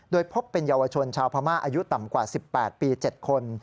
โดยพบเป็นเยาวชนชาวพม่าอายุต่ำกว่า๑๘ปี๗คน